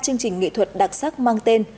nghệ thuật đặc sắc mang tên